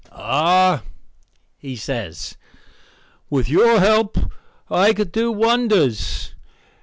"Ah," he says, "with your help I could do wonders.